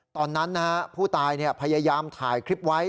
ตอนนั้นผู้ตายพยายามถ่ายคลิปไว้